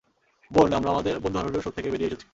বোন, আমরা আমাদের বন্ধু হারানোর শোক থেকে বেরিয়ে এসেছি।